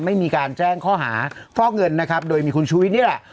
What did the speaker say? ไม่มีการแจ้งข้อหาฟอกเงินนะครับโดยมีคุณชูวิทย์นี่แหละ